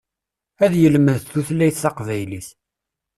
Ad yelmed tutlayt taqbaylit.